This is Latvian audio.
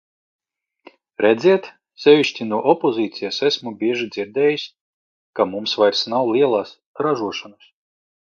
Redziet, sevišķi no opozīcijas esmu bieži dzirdējis, ka mums vairs nav lielās ražošanas.